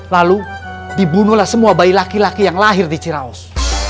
lalu dibunuhlah semua bayi laki laki yang lahir di ciraus